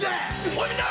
おいみんな！